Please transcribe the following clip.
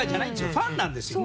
ファンなんですよ。